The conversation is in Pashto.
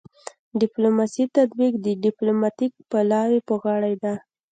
د ډیپلوماسي تطبیق د ډیپلوماتیک پلاوي په غاړه دی